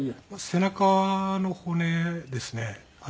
背中の骨ですね。